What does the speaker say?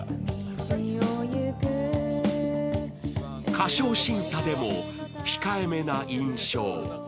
歌唱審査でも控えめな印象。